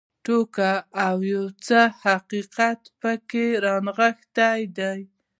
ټوکې او یو څه حقیقت پکې رانغښتی دی.